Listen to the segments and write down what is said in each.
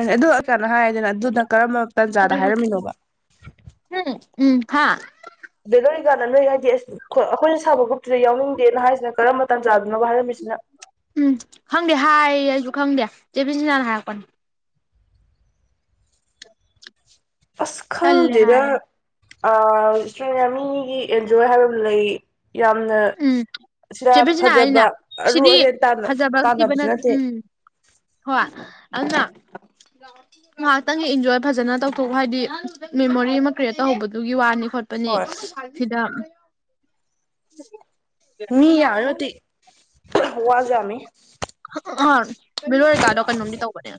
ꯑꯦ ꯑꯗꯨ ꯀꯩꯅꯣ ꯍꯥꯏꯔꯗꯅ ꯑꯗꯨꯅ ꯀꯔꯝꯕ ꯇꯥꯟꯖꯥꯗ ꯍꯥꯏꯔꯝꯃꯤꯅꯣꯕ ꯍꯨ ꯎꯝ ꯍꯥ ꯖꯦꯔꯣ ꯑꯦꯀꯥꯅ ꯅꫭꯏ ꯍꯥꯏꯗꯤ ꯑꯦꯁꯤ ꯑꯩꯈꯣꯏꯅ ꯁꯥꯕ ꯒ꯭ꯔꯨꯞꯇꯨꯗ ꯌꯥꯎꯅꯤꯡꯗꯦꯅ ꯍꯥꯏꯁꯤꯅ ꯀꯔꯝꯕ ꯇꯥꯟꯖꯥꯗꯅꯣ ꯍꯥꯏꯔꯝꯃꯤꯁꯤꯅ ꯎꯝ ꯈꯪꯗꯦ ꯍꯥꯏ ꯑꯩꯁꯨ ꯈꯪꯗꯦ ꯆꯦ ꯕꯤꯟꯖꯤꯅꯥꯅ ꯍꯥꯏꯔꯛꯄꯅꯤ [unintelligible] ꯑꯁ ꯇꯜꯂꯦ ꯈꯪꯗꯦꯗ ꯍꯥꯏ ꯑ ꯏꯁꯇ꯭ꯦꯌꯥ ꯃꯤꯒꯤ ꯑꯦꯟꯖꯣꯏ ꯍꯥꯏꯕ ꯑꯃ ꯂꯩ ꯌꯥꯝꯅ ꯎꯝ ꯁꯤꯗ ꯆꯦ ꯕꯤꯟꯁꯤꯅꯥ ꯐꯖꯕ ꯍꯥꯏꯁꯤꯅ ꯑꯔꯨ ꯁꯤꯗꯤ ꯑꯍꯦꯟ ꯇꯥꯟꯅ ꯐꯖꯕ ꯊꯤꯕ ꯇꯥꯟꯅꯕꯁꯨ ꯅꯠ ꯅꯠꯇꯦ ꯎꯝ ꯍꯣꯏ ꯑꯗꯨꯅ ꯉꯥꯏꯍꯥꯛꯇꯪꯗꯤ ꯏꯟꯖꯣꯏ ꯐꯖꯅ ꯇꯧꯊꯣꯛꯎ ꯍꯥꯏꯗꯤ ꯃꯦꯃꯣꯔꯤ ꯑꯃꯥ ꯀ꯭꯭ꯔꯤꯌꯦꯠ ꯇꯧꯍꯧꯕꯗꯨꯒꯤ ꯋꯥꯅꯤ ꯈꯣꯠ ꯄꯅꯤ ꯍꯣꯏ ꯁꯤꯗ [unintelligible] ꯃꯤ ꯌꯥꯝꯃꯦ ꯃꯇꯤꯛ ꯋꯥꯥꯖꯨ ꯌꯥꯝꯃꯤ [unintelligible] ꯃꯤꯠꯂꯨꯍꯣꯏ ꯀꯥꯗꯣ ꯀꯩꯅꯣꯝꯗꯤ ꯇꯧꯕꯅꯦ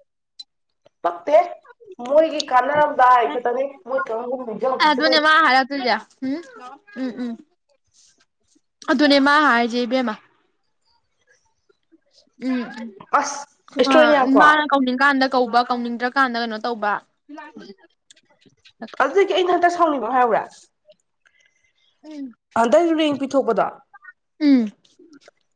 ꯄꯛꯇꯦ ꯃꯣꯏꯒꯤ ꯀꯥꯟꯅꯔꯝꯗꯥꯏ ꯈꯛꯇꯅꯤ ꯃꯣꯏ [unintelligible] ꯑꯗꯨꯅꯦ ꯃꯥ ꯍꯥꯏꯔꯛꯇꯨꯖꯦ ꯍꯨꯝ ꯍꯜꯂꯣ ꯎꯝ ꯎꯝ ꯑꯗꯨꯅꯦ ꯃꯥ ꯍꯥꯏꯖꯦ ꯏꯕꯦꯝꯃ ꯎꯝ ꯑꯁ ꯈꯨꯒꯥ ꯏꯁꯇ꯭ꯔꯣꯅꯤꯌꯥꯀꯣ ꯃꯥꯅ ꯀꯧꯅꯤꯡ ꯀꯥꯟꯗ ꯀꯧꯕ ꯀꯧꯅꯤꯡꯗ꯭ꯔꯀꯥꯟꯗ ꯀꯩꯅꯣ ꯇꯧꯕ [unintelligible] ꯑ ꯑꯗꯨꯒꯤ ꯑꯩꯅ ꯍꯟꯇꯛ ꯁꯥꯎꯅꯤꯡꯕꯃ ꯍꯥꯏꯔꯛꯎꯔ ꯎꯝ ꯍꯟꯗꯛ ꯔꯤꯡ ꯄꯤꯊꯣꯛꯄꯗꯣ ꯎꯝ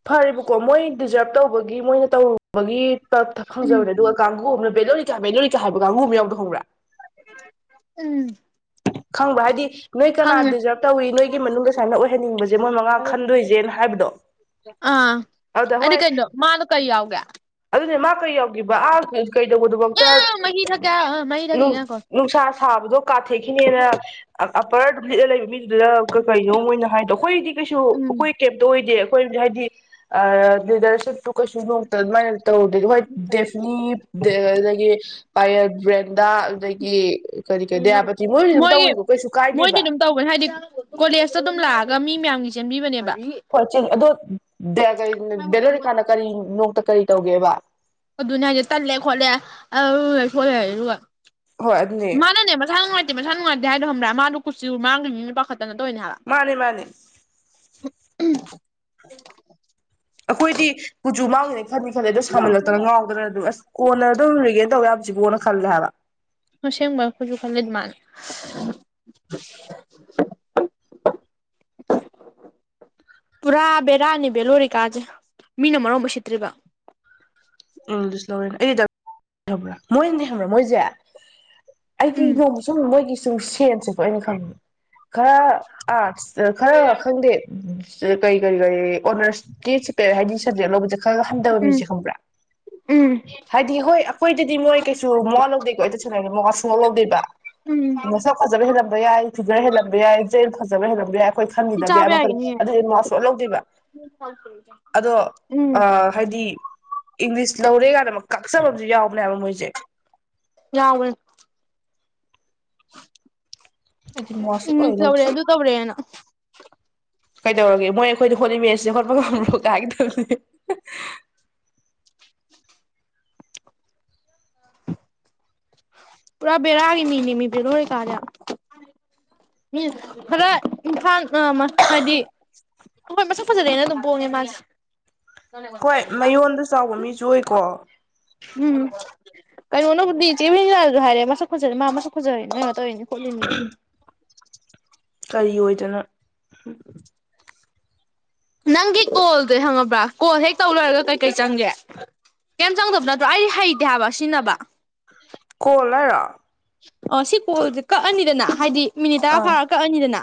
ꯐꯔꯦꯕꯀꯣ ꯃꯣꯏ ꯗꯤꯖꯥꯔꯕ ꯇꯧꯕꯒꯤ ꯃꯣꯏꯅ ꯇꯧꯔꯨ ꯕꯒꯤ ꯇꯞ ꯊ ꯎꯝ ꯐꯪꯖꯕꯅꯦ ꯑꯗꯨꯒ ꯀꯥꯡꯕꯨ ꯑꯃꯅ ꯕꯦꯂꯣꯔꯤꯇꯥ ꯕꯦꯂꯣ ꯔꯤꯇꯥ ꯍꯥꯏꯕ ꯀꯥꯡꯕꯨ ꯑꯃꯥ ꯌꯥꯎꯕꯗꯣ ꯈꯪꯕ꯭ꯔꯥ ꯎꯝ ꯈꯪꯕ꯭ꯔ ꯍꯥꯏꯗꯤ ꯅꯣꯏ ꯀꯅꯥ ꯈꯪꯉꯦ ꯗꯤꯖꯥꯔꯞ ꯇꯧꯏ ꯅꯣꯏꯒꯤ ꯃꯅꯨꯡꯗ ꯁꯥꯏꯅ ꯑꯣꯏꯍꯟꯅꯤꯡꯕꯖꯦ ꯃꯣꯏ ꯃꯉꯥ ꯈꯟꯗꯣꯏꯖꯦꯅ ꯍꯥꯏꯕꯗꯣ ꯑꯥ ꯑꯗꯨꯗ ꯑꯩꯗꯤ ꯍꯣꯏ ꯀꯩꯅꯣ ꯃꯥꯗꯣ ꯀꯔꯤ ꯌꯥꯎꯒꯦ ꯑꯗꯨꯅꯦ ꯃꯥ ꯀꯔꯤ ꯌꯥꯎꯒꯦꯕ ꯑꯥ ꯀꯩ ꯀꯩꯗꯧꯕꯗꯨꯕꯛꯇ ꯃꯍꯤ ꯊꯛꯀꯦ ꯃꯍꯤ ꯊꯛꯈꯤ ꯅꯨꯡ ꯉꯥꯏꯈꯣ ꯅꯨꯡꯁꯥ ꯁꯥꯕꯗꯣ ꯀꯥꯊꯦꯛꯈꯤꯅꯦꯅ ꯑꯞꯄꯔ ꯂꯤꯠꯂ ꯂꯩꯕ ꯃꯤꯗꯨꯗ ꯀ ꯀꯩꯅꯣ ꯃꯣꯏꯅ ꯍꯥꯏꯗꯣ ꯑꯩꯈꯣꯏꯗꯤ ꯀꯩꯁꯨ ꯎꯝ ꯑꯩꯈꯣꯏ ꯀꯩꯝ ꯇꯣꯏꯗꯦ ꯑꯩꯈꯣꯏ ꯍꯥꯏꯗꯤ ꯑ ꯂꯤꯗꯔꯁꯤꯞꯇꯨ ꯀꯩꯁꯨ ꯅꯣꯛꯇ ꯑꯗꯨꯃꯥꯏꯅ ꯇꯧꯔꯨꯗꯦ ꯍꯣꯏ ꯗꯦꯐꯅꯤꯞ ꯗꯦ ꯗꯒꯤ ꯄꯌꯜ ꯕ꯭ꯔꯦꯟꯗ ꯑꯗꯨꯗꯒꯤ ꯀꯔꯤ ꯀꯔꯤ ꯗꯌꯥꯕꯠ ꯃꯣꯏ ꯃꯣꯏꯗꯤ ꯑꯗꯨꯝ ꯇꯧꯋꯦ ꯍꯥꯏꯗꯤ ꯀꯣꯂꯦꯖꯇꯣ ꯑꯗꯨꯝ ꯂꯥꯛꯑꯒ ꯃꯤ ꯃꯌꯥꯝꯒꯤ ꯆꯦꯟꯕꯤꯕꯅꯦꯕ ꯍꯣꯏ ꯆꯦꯜꯂꯤ ꯑꯗꯣ ꯗꯌꯥ ꯀꯔꯤ ꯕꯦꯂꯣꯔꯤꯀꯥꯅ ꯀꯔꯤ ꯅꯣꯛꯇ ꯀꯔꯤ ꯇꯧꯒꯦꯕ ꯑꯗꯨꯅꯦ ꯍꯥꯏꯖꯦ ꯇꯜꯂꯦ ꯈꯣꯠꯂꯦ ꯑꯗꯨ ꯂꯩꯊꯣꯛꯑ ꯂꯩꯔꯦ ꯑꯗꯨꯒ ꯍꯣꯏ ꯑꯗꯨꯅꯦ ꯃꯥꯅꯅꯦ ꯃꯁꯥ ꯅꯨꯡꯉꯥꯏꯇꯦ ꯃꯁꯥ ꯅꯨꯡꯉꯥꯏꯇꯦ ꯍꯥꯏꯗꯣ ꯈꯪꯕ꯭ꯔꯥ ꯃꯥꯗꯨ ꯀꯨꯆꯨ ꯃꯥꯥꯡꯒꯤꯅꯤꯅ ꯄꯥꯈꯠꯇꯅ ꯇꯣꯏꯅꯦ ꯍꯥꯏꯕ ꯃꯥꯅꯦ ꯃꯥꯅꯦ ꯍ ꯎꯝ ꯑꯩꯈꯣꯏꯗꯤ ꯀꯨꯆꯨ ꯃꯥꯡꯒꯅꯤ ꯈꯟꯗꯤ ꯈꯟꯂꯦ ꯑꯗꯣ ꯁꯥꯃꯜꯂꯛꯇꯅ ꯉꯥꯎꯗꯅ ꯑꯗꯨꯝ ꯑꯁ ꯀꯣꯟꯅ ꯑꯗꯨꯝ ꯔꯤꯒꯦꯟ ꯇꯧ ꯌꯥꯕꯖꯤꯕꯨꯅ ꯈꯜꯂꯦ ꯍꯥꯏꯕ ꯑꯁꯦꯡꯕ ꯑꯩꯈꯣꯏꯖꯨ ꯈꯜꯂꯦ ꯑꯗꯨꯃꯥꯏꯅ [unintelligible] ꯄꯨꯔꯥ ꯕꯦꯔꯥꯅꯤ ꯕꯦꯂꯣꯔꯤꯀꯥꯖꯦ ꯃꯤꯅ ꯃꯔꯣꯝ ꯎꯁꯤꯠꯇ꯭ꯔꯤꯕ [unintelligible] ꯃꯣꯏꯅꯗꯤ ꯈꯪꯕ꯭ꯔꯥ ꯃꯣꯏꯖꯦ ꯑꯩꯒꯤ ꯎꯝ ꯅꯣꯡꯃ ꯁꯨꯝ ꯃꯣꯏꯒꯤ ꯁꯨꯝ ꯁꯦꯟꯁꯦ ꯍꯣꯏ ꯑꯩꯅ ꯈꯪꯉꯦ ꯈꯔ ꯑꯥꯔꯠꯁ ꯈꯔ ꯈꯪꯗꯦ ꯎꯝ ꯀꯔꯤ ꯀꯔꯤ ꯀꯔꯤ ꯑꯣꯅꯔꯁꯀꯤ ꯁꯦꯄꯦꯠ ꯍꯥꯏꯗꯤ ꯁꯞꯖꯦꯛ ꯂꯧꯕꯖꯦ ꯈꯔ ꯍꯟꯗꯕ ꯎꯝ ꯃꯤꯖꯦ ꯈꯪꯕ꯭ꯔꯥ ꯎꯝ ꯍꯥꯏꯗꯤ ꯍꯣꯏ ꯑꯩꯈꯣꯏꯗꯗꯤ ꯃꯣꯏ ꯀꯩꯁꯨ ꯃꯋꯥ ꯂꯧꯗꯦꯀꯣ ꯑꯩ ꯇꯁꯦꯡꯅ ꯍꯥꯏꯒꯦ ꯃꯋꯥ ꯁꯨꯡꯂꯧ ꯂꯧꯗꯦꯕ ꯎꯝ ꯁꯛ ꯐꯖꯕ ꯍꯦꯜꯂꯝꯕ ꯌꯥꯏ ꯐꯤꯒꯔ ꯍꯦꯜꯂꯝꯕ ꯌꯥꯏ ꯖꯦꯜ ꯐꯖꯕ ꯍꯦꯜꯂꯝꯕ ꯌꯥꯏ ꯑꯩꯈꯣꯏ ꯁꯤ ꯈꯟꯒꯤꯗꯕ ꯌꯥꯏ ꯆꯥꯕ ꯑꯃꯜ ꯌꯥꯒꯤꯅꯤꯌꯦ ꯑꯗꯨꯗꯤ ꯃꯋꯥ ꯁꯣꯛꯂꯧ ꯂꯧꯗꯦꯕ ꯑꯗꯣ ꯎꯝ ꯑ ꯍꯥꯏꯗꯤ ꯏꯪꯂꯤꯁ ꯂꯧꯔꯦ ꯀꯥꯟꯗ ꯑꯃ ꯀꯥꯛꯆꯕ ꯑꯃꯖꯨ ꯌꯥꯎꯕꯅꯦꯕ ꯃꯣꯏꯁꯦ ꯌꯥꯎꯕꯅꯦ ꯑꯩꯗꯤ ꯃꯋꯥ ꯁꯨꯛꯂꯧꯍꯦꯛ ꯏꯪꯂꯤꯁ ꯂꯧꯔꯦ ꯂꯧꯗꯦ ꯑꯗꯨ ꯇꯧꯔꯦꯅ ꯀꯩꯗꯧꯔꯒꯦ ꯃꯣꯏ ꯑꯩꯈꯣꯏꯗ ꯍꯣꯠꯂꯤ ꯃꯦꯠꯁꯦ ꯍꯣꯠꯄ ꯉꯝꯕ꯭ꯔꯣ ꯀꯥꯏꯍꯥꯏꯒꯗꯝꯅꯤ ꯄꯨꯔꯥ ꯕꯦꯔꯥꯒꯤ ꯃꯤꯅꯦꯃꯤ ꯕꯦꯔꯣꯔꯤꯀꯥꯔꯦ ꯎꯝ ꯍꯗ ꯏꯝꯐꯥꯜ ꯍꯥꯏꯗꯤ ꯑꯩꯈꯣꯏ ꯃꯁꯛ ꯐꯖꯗꯦꯅ ꯑꯗꯨꯝ ꯄꯣꯡꯉꯦ ꯃꯥꯁꯦ ꯍꯣꯏ ꯃꯌꯣꯟꯗ ꯆꯥꯎꯕ ꯃꯤꯁꯨ ꯑꯣꯏꯀꯣ ꯎꯝ ꯀꯩꯅꯣꯅꯕꯨꯗꯤ ꯆꯦꯃꯤ ꯂꯥꯁꯨ ꯍꯥꯏꯔꯦ ꯃꯁꯛ ꯈꯠꯖꯔꯤꯦ ꯃꯥ ꯃꯁꯛ ꯈꯠꯖꯔꯤ ꯅ ꯀꯩꯅꯣ ꯇꯧꯔꯤꯅꯤ ꯈꯣꯠꯂꯤꯅꯤ ꯀꯔꯤ ꯑꯣꯏꯗꯅ [inaudible] ꯅꯪꯒꯤ ꯑꯣꯣꯜꯗꯦ ꯍꯪꯉꯕ꯭ꯔꯥ ꯀꯣ ꯍꯦꯛ ꯇꯧ ꯂꯣꯏꯔꯒ ꯀꯩꯀꯩ ꯆꯪꯒꯦ ꯀꯩꯝ ꯆꯪꯗꯕ ꯅꯠꯇ꯭ꯔꯣ ꯑꯩꯗꯤ ꯍꯩꯇꯦ ꯍꯥꯏꯕ ꯁꯤꯖꯤꯟꯅꯕ ꯀꯣꯜ ꯍꯥꯏꯔ ꯑ ꯁꯤ ꯀꯣꯜꯁꯦ ꯀꯛꯑꯅꯤꯗꯅ ꯍꯥꯏꯗꯤ ꯃꯤꯅꯤꯠ ꯇꯔꯥ ꯑꯥ ꯐꯥꯔ ꯀꯛꯑꯅꯤꯗꯅ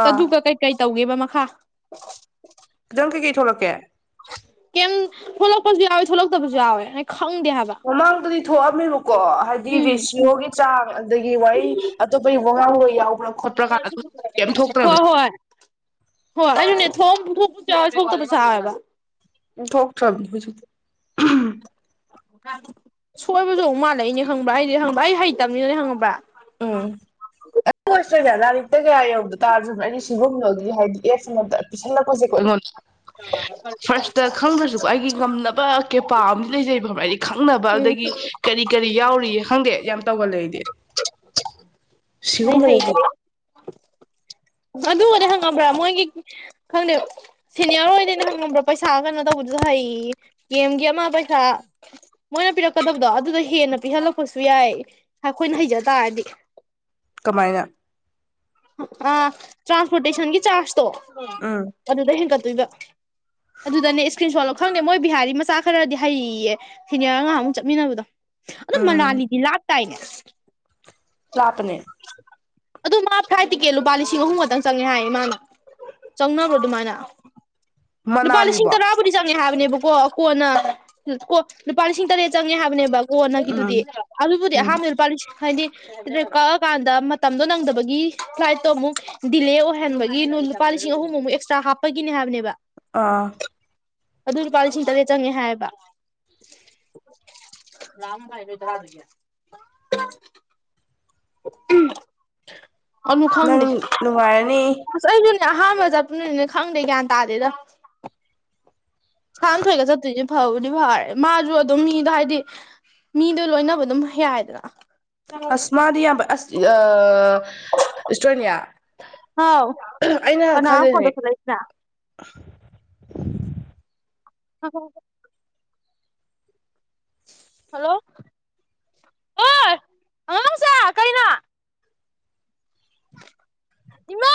ꯑꯥ ꯆꯗꯨꯒ ꯀꯩꯀꯩ ꯇꯧꯒꯦꯕ ꯃꯈꯥ ꯈꯤꯇꯪ ꯀꯩꯀꯩ ꯊꯣꯛꯂꯛꯀꯦ ꯀꯩꯝ ꯊꯣꯛꯣꯂꯛꯄꯁꯨ ꯌꯥꯎꯋꯦ ꯊꯣꯛꯣꯂꯛꯇꯕꯁꯨ ꯌꯥꯎꯋꯦ ꯅ ꯈꯪꯗꯦ ꯍꯥꯏꯕ ꯃꯃꯥꯡꯗꯗꯤ ꯊꯣꯛꯑꯝꯃꯦꯕꯀꯣ ꯍꯥꯏꯗꯤ ꯎꯝ ꯔꯦꯁꯤꯌꯣꯒꯤ ꯆꯥꯡ ꯑꯗꯒꯤ ꯋꯥ ꯑꯇꯣꯞꯄ ꯃꯉꯥꯡ ꯑꯣꯏ ꯌꯥꯎꯕ꯭ꯔ ꯍꯣꯏ ꯍꯣꯏ ꯍꯣꯏ ꯊ ꯊ ꯊꯁꯥ ꯍꯥꯏꯦꯕ ꯎ ꯊꯣꯛꯇ꯭ꯔꯕꯅꯤ ꯍꯧꯖꯤꯛꯇꯤ ꯁꯣꯏꯕꯗꯛ ꯃꯥꯜꯂꯛꯏꯅꯦ ꯈꯪꯕ꯭ꯔꯥ ꯍꯥꯏꯗꯤ ꯍꯪꯕ꯭ꯔ ꯑꯩ ꯍꯩꯇꯕꯅꯤꯅꯅꯦ ꯍꯪꯉꯕ꯭ꯔ ꯎꯝ ꯑꯗꯨ ꯑꯣꯏ꯭ꯔꯦꯅꯦ ꯂꯥꯏꯔꯤꯛꯇ ꯀꯌꯥ ꯌꯧꯗ ꯇꯥꯔꯁꯨꯅꯣ ꯑꯩꯒꯤ ꯁꯤꯒꯨꯝꯕꯣꯒꯤ ꯍꯥꯏꯗꯤ ꯑꯦꯞꯁ ꯑꯃꯗ ꯄꯤꯁꯜꯂꯛꯄꯁꯦ ꯀꯣꯉꯣꯟꯗ ꯎ ꯐꯥꯔꯁꯇ ꯈꯪꯗ꯭ꯔꯁꯨꯀꯣ ꯑꯩꯒꯤ ꯉꯝꯅꯕ ꯀꯦꯄꯥ ꯑꯃꯗꯤ ꯂꯩꯖꯩꯕ ꯍꯥꯏꯗꯤ ꯈꯪꯅꯕ ꯎꯝ ꯑꯗꯒꯤ ꯀꯔꯤ ꯀꯔꯤ ꯌꯥꯎꯔꯤꯌꯦ ꯈꯪꯗꯦ ꯌꯥꯝ ꯇꯧꯒꯂꯗꯤ ꯑ ꯍꯩ ꯑꯗꯨꯅꯦ ꯍꯪꯉꯝꯕ꯭ꯔꯥ ꯃꯣꯏꯒꯤ ꯈꯪꯗ ꯁꯤꯅꯤꯌꯔ ꯑꯣꯏꯗꯣꯏꯅ ꯍꯪꯉꯝꯕ꯭ꯔꯥ ꯄꯩꯁꯥ ꯀꯩꯅꯣ ꯇꯧꯕꯗꯨꯁꯨ ꯍꯩ ꯒꯦꯝꯒꯤ ꯑꯃ ꯄꯩꯁꯥ ꯃꯣꯏꯅ ꯄꯤꯔꯛꯀꯗꯕꯗꯣ ꯑꯗꯨꯗ ꯍꯦꯟꯅ ꯄꯤꯍꯜꯂꯛꯄꯁꯨ ꯌꯥꯏ ꯑꯩꯈꯣꯏꯅ ꯍꯩꯖ ꯇꯥꯗꯤ ꯀꯃꯥꯏꯅ ꯑ ꯇ꯭ꯔꯥꯟꯁꯄꯣꯔꯇꯦꯁꯟꯒꯤ ꯆꯥꯔꯖꯇꯣ ꯎꯝ ꯑꯗꯨꯗ ꯍꯦꯟꯒꯠꯇꯣꯏꯕ ꯑꯗꯨꯗꯅꯦ ꯏꯁꯀ꯭ꯔꯤꯟ ꯁꯣꯠꯂꯣ ꯈꯪꯗꯦ ꯃꯣꯏ ꯕꯤꯍꯥꯔꯤ ꯃꯆꯥ ꯈꯔꯗꯤ ꯍꯩꯌꯦ ꯁꯤꯦꯅꯤꯌꯥꯔ ꯑꯉꯥꯡꯃꯨꯛ ꯆꯠꯃꯤꯟꯅꯕꯗꯣ ꯑꯗꯨ ꯎꯝ ꯃꯅꯥꯂꯤꯗꯤ ꯂꯥꯇꯥꯥꯏꯅꯦ ꯄꯥꯞꯅꯦ ꯑꯗꯣ ꯃꯥ ꯐ꯭ꯂꯥꯏꯠ ꯇꯤꯀꯦꯠ ꯂꯨꯄꯥ ꯂꯤꯁꯤꯡ ꯑꯍꯨꯝ ꯈꯛꯇꯪ ꯆꯪꯉꯦ ꯍꯥꯏꯌꯦ ꯃꯥꯅ ꯆꯪꯅꯕ꯭ꯔꯣ ꯑꯗꯨꯃꯥꯏꯅ ꯂꯨꯄꯥ ꯂꯤꯁꯤꯡ ꯃꯅꯥꯂꯤꯕꯣ ꯇꯔꯥꯕꯨꯗꯤ ꯆꯪꯉꯦ ꯍꯥꯏꯕꯅꯦꯕꯀꯣ ꯀꯣꯟꯅ ꯀꯣ ꯂꯨꯄꯥ ꯂꯤꯁꯤꯡ ꯇꯔꯦꯠ ꯆꯪꯉꯦ ꯍꯥꯏꯕꯅꯦꯕ ꯎꯝ ꯑꯣꯅꯒꯤꯗꯨꯗꯤ ꯑꯗꯨꯕꯨꯗꯤ ꯎꯝ ꯑꯍꯥꯟꯕꯗ ꯂꯨꯄꯥ ꯂꯤꯁꯤꯡ ꯍꯥꯏꯗꯤ ꯀꯛꯑ ꯀꯥꯟꯗ ꯃꯇꯝꯗꯣ ꯅꯪꯗꯕꯒꯤ ꯐ꯭ꯂꯥꯏꯠꯇꯣ ꯑꯃꯨꯛ ꯗꯤꯂꯦ ꯑꯣꯏꯍꯟꯕꯒꯤ ꯂꯨꯄꯥ ꯂꯤꯁꯤꯡ ꯑꯍꯨꯝꯃꯨꯛ ꯑꯦꯛꯁꯇ꯭ꯔꯥ ꯍꯥꯞꯄꯒꯤꯅꯦ ꯍꯥꯏꯕꯅꯦꯕ ꯑꯥ ꯑꯗꯨ ꯂꯨꯄꯥ ꯂꯤꯁꯤꯡ ꯇꯔꯦꯠ ꯆꯪꯉꯦ ꯍꯥꯏꯕ ꯎꯝ ꯑꯅꯨ ꯅꯪ ꯈ ꯪꯗꯦ꯫ ꯅꯨꯡꯉꯥꯏꯔꯅꯤ ꯑꯩꯁꯨꯅꯦ ꯑꯍꯥꯟꯕ ꯆꯠꯄꯅꯤꯅꯦ ꯈꯪꯗꯦ ꯒ꯭ꯌꯥꯟ ꯇꯥꯗꯦꯗ ꯁꯥꯟꯊꯣꯏꯒ ꯆꯠꯇꯣꯏꯁꯦ ꯐꯕꯨꯗꯤ ꯐꯔꯦ ꯃꯥꯁꯨ ꯑꯗꯨꯝ ꯃꯤꯗꯣ ꯍꯥꯏꯗꯤ ꯃꯤꯗꯣ ꯂꯣꯏꯅꯕ ꯑꯗꯨꯝ ꯌꯥꯏꯗꯅ ꯑꯁ ꯃꯗꯤ ꯌꯥꯝ ꯑꯁ ꯑꯑꯑ ꯏꯁꯇ꯭ꯔꯣꯅꯤꯌꯥ ꯑꯩꯅ ꯈꯜꯂꯤꯅꯦ ꯌꯥ ꯍ ꯍꯜꯂꯣ ꯑꯣꯥꯢ ꯀꯁꯦ ꯀꯩꯅꯣ ꯏꯃꯥ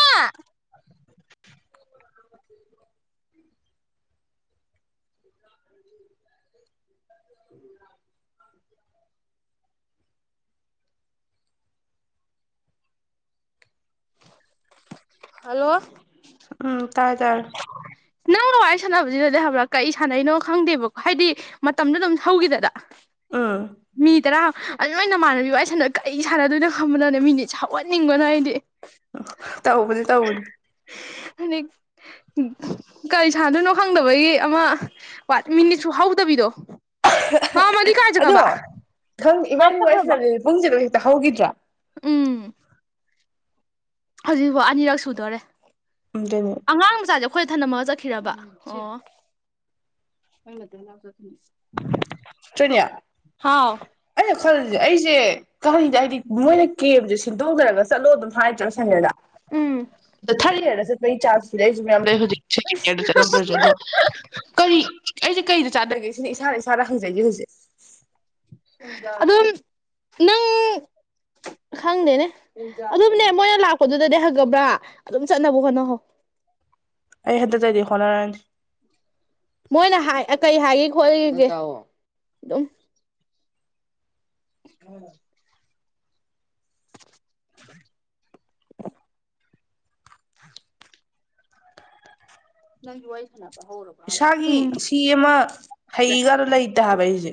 [inaudible] [unintelligible] ꯍꯜꯂꯣ ꯎꯝ ꯇꯥꯔꯦ ꯇꯥꯔꯦ ꯅ ꯅꯪꯒ ꯋꯥꯔꯤ ꯁꯥꯟꯅꯕꯁꯤꯗꯗꯤ ꯍꯥꯏꯕ꯭ꯔꯥ ꯀꯔꯤ ꯁꯥꯟꯅꯩꯅꯣ ꯈꯪꯗꯦꯕꯀꯣ ꯍꯥꯏꯗꯤ ꯃꯇꯝꯗ ꯑꯗꯨꯝ ꯍꯧꯈꯤꯗꯗ ꯑꯥ ꯇꯔꯥ ꯅꯣꯏ ꯅꯃꯥꯟꯅꯕꯤ ꯋꯥꯔꯤ ꯁꯥꯟꯅ ꯀꯩ ꯁꯥꯟꯅꯗꯣꯏꯅꯣ ꯈꯪꯕꯗꯅꯦ ꯃꯤꯅꯤꯠ ꯁꯥꯎꯍꯟꯅꯤꯡꯕꯅ ꯑꯩꯗꯤ ꯇꯧꯕꯗꯤ ꯇꯧꯕꯅꯤ ꯑꯅꯤꯛ ꯀꯔꯤ ꯁꯥꯟꯗꯣꯏꯅꯣ ꯈꯪꯗꯕꯒꯤ ꯑꯃ ꯃꯤꯅꯤꯠꯁꯨ ꯍꯧꯗꯕꯤꯗꯣ ꯃꯥꯝꯃꯂꯤ ꯀꯥꯏ ꯆꯒꯕꯥ ꯈꯪꯗꯦ ꯏꯕꯥꯅꯤ ꯋꯥꯔꯤ ꯁꯥꯟꯅꯕꯌꯦ ꯄꯨꯡꯁꯤ ꯑꯗꯨꯝ ꯍꯦꯛꯇ ꯍꯧꯈꯤꯗ꯭ꯔꯥ ꯎꯝ ꯍꯧꯖꯤꯛꯐꯥꯎ ꯑꯅꯤꯔꯛ ꯁꯨꯗꯣꯔꯦ ꯎꯝ ꯗꯅꯦ ꯑꯉꯥꯡ ꯃꯆꯥꯁꯦ ꯑꯩꯈꯣꯏꯗ ꯊꯅꯝꯃꯒ ꯆꯠꯈꯤꯔꯕ ꯑꯣ ꯈ‌ꯣꯏꯅ ꯑꯗꯨꯝ ꯂꯧ ꯆꯠꯇ‌ꯣꯏ [unintelligible] ꯇ꯭ꯔꯦꯅꯤꯌꯥ ꯑꯩꯅ ꯈꯜꯂꯁꯦ ꯑꯩꯁꯦ ꯀꯜꯂꯤꯗꯦ ꯍꯥꯏꯗꯤ ꯃꯣꯏꯅ ꯀꯦꯞꯁꯦ ꯁꯤꯟꯗꯣꯛꯅꯔꯒ ꯆꯠꯂꯣ ꯑꯗꯨꯝ ꯍꯥꯏꯗ꯭ꯔꯥ ꯁꯍꯦꯔꯗ ꯎꯝ ꯑꯗ ꯊꯥꯔꯗ ꯏꯌꯥꯔꯗ ꯆꯠꯄꯒꯤ ꯆꯥꯟꯁ ꯄꯤꯔꯛ ꯏꯖꯦ ꯃꯌꯥꯝꯗ ꯍꯧꯖꯤꯛꯉꯦꯗ ꯆꯠꯂꯝꯗ꯭ꯔꯦ ꯑꯗꯣ ꯀꯔꯤ ꯑꯩꯁꯦ ꯀꯩꯗ ꯆꯥꯗꯒꯦ ꯁꯤꯅ ꯏꯁꯥꯅ ꯏꯁꯥꯗ ꯍꯪꯖꯩꯖꯦ ꯍꯧꯖꯤꯛ ꯑꯗꯨꯝ ꯅꯪ ꯈꯪꯗꯦꯅꯦ ꯑꯗꯨꯝꯅꯦ ꯃꯣꯏꯅ ꯂꯥꯛꯄꯗꯨꯗꯅꯦ ꯍꯪꯉꯕ꯭ꯔꯥ ꯑꯗꯨꯝ ꯆꯠꯅꯕ ꯍꯣꯠꯅꯍꯧ ꯑꯩ ꯍꯟꯗꯛꯇꯩꯗꯤ ꯍꯣꯠꯅꯔꯅꯤ ꯃꯣꯏꯅ ꯍꯥꯏ ꯀꯩ ꯍꯥꯏꯒꯦ ꯈꯣꯠꯂꯤꯒꯦ ꯑꯗꯨꯝ ꯎꯝ [unintelligible] [unintelligible] ꯅꯪꯖꯨ ꯋꯥꯔꯤ ꯁꯥꯟꯅꯧ ꯏꯁꯥꯒꯤ ꯁꯤ ꯑꯃ ꯍꯩꯒ ꯂꯩꯇ ꯍꯥꯏꯕ ꯑꯩꯁꯦ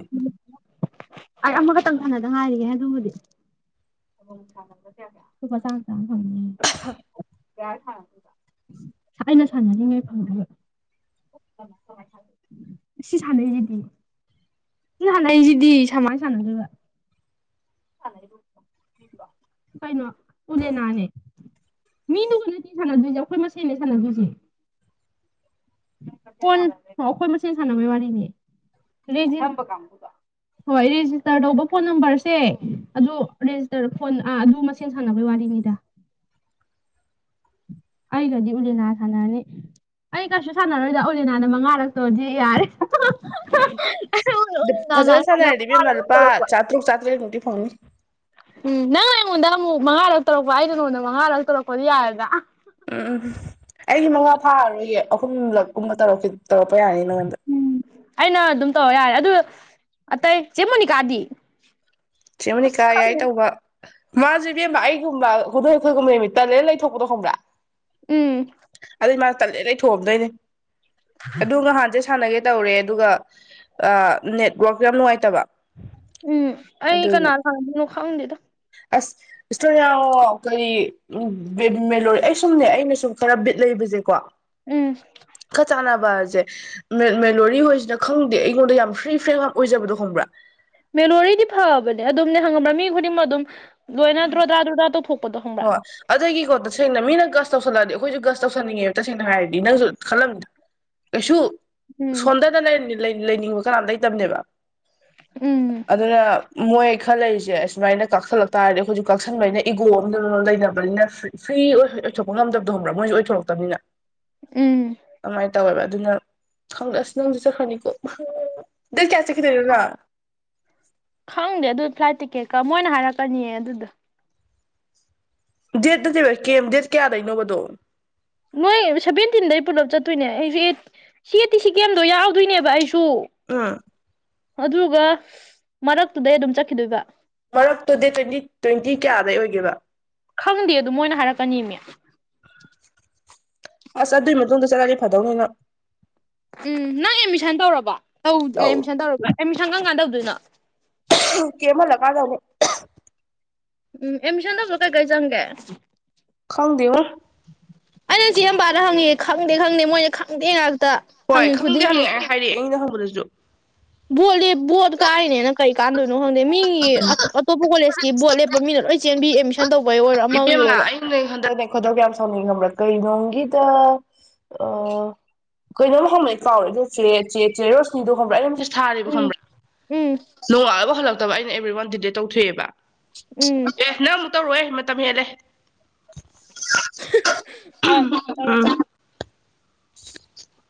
ꯑꯩ ꯑꯃꯈꯇꯪ ꯁꯅꯗ ꯉꯥꯏꯔꯤꯌꯦ ꯑꯗꯨꯕꯨꯗꯤ ꯂꯨꯄꯥ ꯆꯥꯝꯃ-ꯆꯥꯝꯃ ꯐꯪꯅꯤꯌꯦ ꯑꯩꯅ ꯁꯥꯟꯅꯔꯤꯉꯩ ꯐꯪꯗꯨꯢꯕ ꯁꯤ ꯁꯥꯟꯅꯩ ꯖꯤꯗꯤ ꯁꯤ ꯍꯥꯟꯁꯤꯖꯤꯗꯤ ꯁꯃꯥꯢ ꯁꯥꯟꯅꯗꯨꯢꯕ ꯀꯩꯅꯣ ꯎꯅꯦ ꯅꯅꯦ ꯃꯤꯗꯨꯒ ꯅꯠꯇꯦ ꯁꯥꯟꯅꯗꯣꯏꯁꯦ ꯑꯩꯈꯣꯏ ꯃꯁꯦꯜꯟꯅ ꯁꯥꯟꯅꯗꯣꯏꯁꯦ ꯐꯣꯟ ꯑꯩꯈꯣꯏ ꯃꯁꯦꯟ ꯁꯥꯟꯅꯕꯒꯤ ꯋꯥꯔꯤꯅꯤ ꯍꯣꯏ ꯔꯦꯖꯤꯁꯇꯔ ꯇꯧꯕ ꯐꯣꯟ ꯅꯝꯕꯔꯁꯦ ꯑꯗꯨꯦꯖꯤꯁꯇꯔ ꯐꯣꯟ ꯑꯗꯨ ꯏꯁꯤꯡ ꯁꯥꯟꯅꯕꯩ ꯋꯥꯔꯤꯉꯩꯗ ꯑꯩꯒꯗꯤ ꯎꯂꯦꯅꯥ ꯊꯅꯅꯦ ꯑꯩ ꯀꯩꯁꯨ ꯁꯥꯟꯅꯔꯣꯏꯗ ꯑꯣꯂꯤꯅꯥꯅ ꯃꯉꯥꯔꯛꯇꯣꯗꯤ ꯌꯥꯔꯦ ꯎꯂꯤꯅꯥꯅ ꯐꯖꯅ ꯑꯩꯉꯣꯟꯗ ꯁꯥꯟꯅꯔꯗꯤ ꯢꯕꯦꯝꯃ ꯃꯉꯥꯔꯛ ꯂꯨꯄꯥ ꯇꯧꯔꯛꯄ ꯆꯥꯇ꯭ꯔꯨꯛ ꯆꯥꯇ꯭ꯔꯦꯠ ꯃꯨꯛꯇꯤ ꯐꯪꯅꯤ ꯎꯝ ꯅꯪ ꯑꯩꯉꯣꯟꯗ ꯑꯃꯨꯛ ꯃꯉꯥꯔꯛ ꯇꯧꯔꯛꯄ ꯑꯩꯩꯅ ꯅꯉꯣꯟꯗ ꯃꯉꯥꯔꯛ ꯇꯧꯔꯛꯄꯗꯤ ꯌꯥꯔꯦꯗ ꯎꯝ ꯎꯝ ꯑꯩꯒꯤ ꯃꯉꯥ ꯐꯥꯔꯔꯣꯏꯒꯦ ꯑꯍꯨꯝꯂꯛꯒꯨꯝꯕ ꯇꯧꯔꯛ ꯇꯧꯔꯛꯄ ꯌꯥꯅꯤ ꯅꯪꯉꯣꯟꯗ ꯎꯝ ꯑꯩꯅ ꯑꯗꯨꯝ ꯇꯧꯔ ꯌꯥꯔꯦ ꯑꯗꯨ ꯑꯇꯩ ꯆꯦ ꯃꯣꯅꯤꯀꯥꯗꯤ ꯑꯁ ꯆꯦꯃꯅꯤꯀꯥ ꯌꯥꯏ ꯈꯪꯗꯦꯗ ꯇꯧꯕ ꯃꯥꯁꯦ ꯏꯕꯦꯝꯕ ꯑꯩꯒꯨꯝꯕ ꯍꯗꯣꯡꯊꯣꯏꯒꯨꯝꯕ ꯅꯨꯃꯤꯠꯇ ꯂ ꯂꯩꯊꯣꯛꯄꯗꯣ ꯈꯪꯕ꯭ꯔꯥ ꯎꯝ ꯑꯗꯨ ꯃꯥꯅ ꯇꯜꯂꯦ ꯂꯩ ꯑꯩ ꯊꯣꯑꯝꯗꯣꯏꯅꯦ ꯑꯗꯨ ꯅꯍꯥꯟꯁꯦ ꯁꯥꯟꯅꯒꯦ ꯇꯧꯔꯦ ꯑꯗꯨꯒ ꯅꯦꯠꯋꯥꯔꯛ ꯌꯥꯝ ꯅꯨꯡꯉꯥꯏꯇꯕ ꯎꯝ ꯑꯩ ꯑꯗꯨꯒꯤ ꯀꯅꯥ ꯂꯥꯡꯗꯣꯏꯅꯣ ꯈꯪꯗꯦꯗ ꯑꯁ ꯏꯁꯇꯣ ꯌꯥꯣ ꯀꯔꯤ ꯎꯦꯂꯣ ꯑꯩ ꯁꯨꯝꯅꯦ ꯑꯩꯅ ꯁꯨꯝ ꯈꯔ ꯕꯤꯠ ꯂꯩꯕꯁꯦꯀꯣ ꯎꯝ ꯈ ꯆꯅꯕꯖꯦ ꯃꯦꯂꯣꯔꯤ ꯍꯣꯏꯁꯤꯅ ꯈꯪꯗꯦ ꯑꯩꯉꯣꯟꯗ ꯌꯥꯝ ꯐ꯭ꯔꯤ ꯐ꯭ꯔꯦ ꯌꯥꯝ ꯑꯣꯏꯖꯕꯗꯣ ꯈꯪꯕ꯭ꯔꯥ ꯃꯦꯂꯣꯔꯤꯗꯤ ꯐꯕꯅꯦ ꯑꯗꯨꯝꯗꯤ ꯍꯪꯉꯕ꯭ꯔꯥ ꯃꯤ ꯈꯨꯗꯤꯡꯃꯛ ꯑꯗꯨꯝ ꯂꯣꯏꯅꯗ꯭ꯔꯣ ꯇ꯭ꯔꯥ ꯗ꯭ꯔꯣꯗ꯭ꯔꯥ ꯇꯊ ꯑꯣ ꯑꯗꯒꯤꯀꯣ ꯇꯁꯦꯡꯅ ꯃꯤꯅ ꯒꯁ ꯇꯧꯁꯜꯂꯛꯑꯗꯤ ꯑꯩꯈꯣꯏꯁꯨ ꯒꯁ ꯇꯧꯁꯟꯅꯤꯡꯉꯦꯕ ꯇꯁꯦꯡꯅ ꯍꯥꯏꯔꯗꯤ ꯅꯪꯁꯨ ꯈꯜꯂꯝꯕꯅꯤ ꯀꯩꯁꯨ ꯎꯝ ꯁꯣꯟꯗꯗ ꯂꯩꯅꯤꯡꯕ ꯀꯅꯥꯝ ꯂꯩꯇꯕꯅꯦꯕ ꯎꯝ ꯑꯗꯨꯅ ꯃꯣꯏ ꯈꯔ ꯂꯩꯔꯤꯁꯦ ꯁꯨꯃꯥꯏꯅ ꯀꯥꯛꯁꯜꯂꯛ ꯇꯥꯔꯗꯤ ꯑꯩꯈꯣꯏꯁꯨ ꯀꯛꯁꯟꯕꯅ ꯏꯒꯣ ꯂꯩꯅꯕꯅꯤꯅ ꯐ꯭ꯔꯤ ꯑꯣꯏꯊꯣꯛꯄ ꯉꯝꯗꯕꯗꯣꯕ꯭ꯔꯥ ꯃꯣꯏꯁꯨ ꯑꯣꯏꯊꯣꯔꯛꯇꯕꯅꯤꯅ ꯎꯝ ꯑꯗꯨꯃꯥꯏꯅ ꯇꯧꯋꯦꯕ ꯑꯗꯨꯅ ꯈꯪꯗꯑꯁ ꯅꯪꯗꯤ ꯆꯠꯈ꯭ꯔꯅꯤꯀꯣ ꯗꯩ ꯀꯌꯥ ꯆꯠꯈꯤꯗꯣꯏꯅꯣꯅ ꯈꯪꯗꯦ ꯑꯗꯨ ꯐ꯭ꯂꯥꯏꯠ ꯇꯤꯛꯀꯦꯠꯀ ꯃꯣꯏꯅ ꯍꯥꯏꯔꯛꯀꯅꯤꯌꯦ ꯑꯗꯨꯗ ꯗꯦꯠꯇꯗꯤ ꯀꯦꯝ ꯗꯦꯠ ꯀꯌꯥꯗꯩꯅꯣꯕꯗꯣ ꯅꯣꯏ ꯁꯦꯚꯦꯟꯇꯤꯟꯗꯩ ꯄꯨꯂꯞ ꯆꯠꯇꯣꯏꯅꯦ ꯑꯩꯁꯨꯦ ꯑꯦ ꯁꯤ ꯑꯦ ꯇꯤ ꯁꯤ ꯀꯦꯝꯗꯣ ꯌꯥꯎꯗꯣꯏꯅꯦꯕ ꯑꯩꯁꯨ ꯎꯝ ꯑꯗꯨꯒ ꯃꯔꯛꯇꯨꯗꯩ ꯑꯗꯨꯝ ꯆꯠꯈꯤꯗꯣꯏꯕ ꯃꯔꯛꯇꯨꯗꯤ ꯇ꯭ꯋꯦꯟꯇꯤ ꯇ꯭ꯋꯦꯟꯇꯤ ꯀꯌꯥꯗꯩ ꯑꯣꯏꯒꯦꯕ ꯈꯪꯗꯦ ꯑꯗꯨꯝ ꯃꯣꯏꯅ ꯍꯥꯏꯔꯛꯀꯅꯤꯅꯦ ꯑꯁ ꯑꯗꯨꯏ ꯃꯇꯨꯡꯗ ꯆꯠꯂꯗꯤ ꯐꯗꯧꯅꯤꯅ ꯎꯝ ꯅꯪ ꯑꯦꯗꯃꯤꯁꯟ ꯇꯧꯔꯕ ꯇꯧ ꯑꯦꯗꯃꯤꯁꯟ ꯇꯧꯔꯕ ꯑꯦꯗꯃꯤꯁꯟ ꯀꯔ ꯀꯥꯟꯗ ꯇꯧꯗꯣꯏꯅꯣ ꯀꯦ ꯃꯂꯒꯥꯒꯅꯦ ꯎꯝ ꯑꯦꯃꯤꯁꯟꯗꯁꯨꯛ ꯀꯩ ꯀꯩ ꯆꯪꯒꯦ ꯈꯪꯗꯌ ꯑꯩꯅꯆꯤ ꯑꯄꯥꯗ ꯍꯪꯉꯤ ꯈꯪꯗꯦ ꯈꯪꯗꯦ ꯃꯣꯏꯅ ꯈꯪꯗꯦ ꯉꯥꯛꯇ ꯍꯪꯉꯤ ꯈꯨꯗꯤꯡꯒꯤ ꯍꯥꯏꯔ ꯑꯩꯅ ꯍꯪꯕꯗꯁꯨ ꯕꯣꯠꯂꯤ ꯕꯣꯠ ꯀꯥꯏꯅꯦꯅ ꯀꯔꯤ ꯀꯥꯟꯗꯣꯏꯅꯣ ꯈꯪꯗꯦ ꯃꯤꯒꯤ ꯑꯇꯣꯞꯄ ꯀꯣꯦꯁꯀꯤ ꯕꯣ ꯂꯦꯞꯄꯤꯅ ꯂ ꯆꯦꯟꯕꯤ ꯌꯔ ꯏꯦꯝꯃ ꯍꯟꯗꯛꯅꯦ ꯈꯗꯧ ꯌꯥꯝ ꯁꯥꯎꯅꯤꯡꯉꯕ꯭ꯔꯥ ꯀꯩꯩꯅꯣꯒꯤꯗ ꯑ ꯑꯩꯈꯣꯏ ꯅꯝ ꯍꯣꯂꯛ ꯆꯥꯎꯔꯦ ꯆꯦ ꯆꯦ ꯔꯣꯁꯅꯤꯗꯣ ꯍꯣꯝꯕꯛꯑ ꯑꯩꯝ ꯊꯥꯔꯤꯕꯦꯕ ꯎꯝ ꯈꯪꯕ꯭ꯔꯥ ꯎꯝ ꯅꯣꯡꯉꯜꯂꯅꯕ ꯍꯜꯂꯛꯇꯕ ꯑꯩꯅ ꯑꯦꯕ꯭ꯔꯤ ꯋꯥꯟ ꯗꯗꯤꯗꯦ ꯇꯧꯊꯣꯛꯑꯦꯕ ꯎꯝ ꯇꯧꯔꯑꯣ ꯃꯇꯝ ꯍꯦꯜꯂꯦ ꯍꯣꯏ ꯇꯧꯔꯛ ꯎꯝ [inaudible]